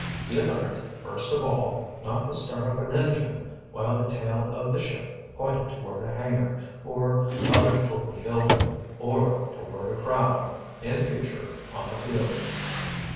He learned, first of all, not to start up an engine while the tail of the ship pointed toward a hangar, or other open building, or toward a crowd, in future, on a field.